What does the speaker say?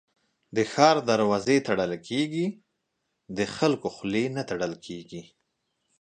د ښار دروازې تړل کېږي ، د خلکو خولې نه تړل کېږي.